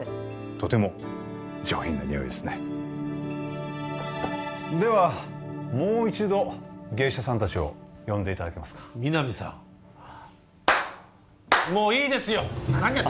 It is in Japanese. とても上品な匂いですねではもう一度芸者さん達を呼んでいただけますか皆実さんもういいですよ何やって・